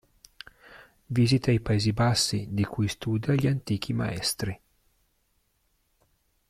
Visita i Paesi Bassi, di cui studia gli antichi maestri.